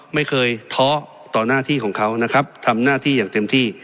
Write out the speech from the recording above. ไม่เคยท้อต่อหน้าที่ของเขานะครับทำหน้าที่อย่างเต็มที่